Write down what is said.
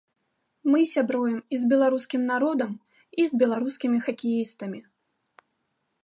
Мы сябруем і з беларускім народам, і з беларускімі хакеістамі.